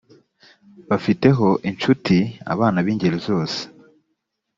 bafite ho inshuti abana b’ ingeri zose